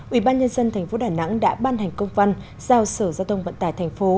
ubnd tp đà nẵng đã ban hành công văn giao sở giao thông vận tải thành phố